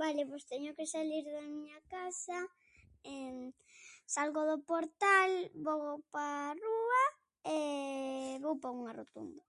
Vale, pois teño que salir da miña casa salgo do portal, vou pa a rúa e vou pa unha rotonda.